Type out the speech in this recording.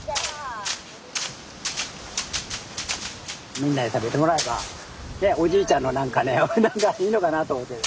みんなに食べてもらえばおじいちゃんの何かねいいのかなあと思って。